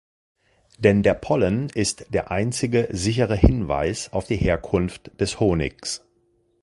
Denn der Pollen ist der einzige sichere Hinweis auf die Herkunft des Honigs.